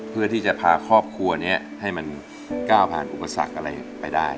เพื่อที่จะพาครอบครัวนี้ให้มันก้าวผ่านอุปสรรคอะไรไปได้